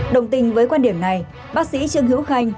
đồng tình với quan điểm này bác sĩ trương hữu khanh